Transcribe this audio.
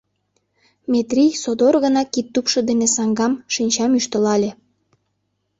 Метрий содор гына кидтупшо дене саҥгам, шинчам ӱштылале.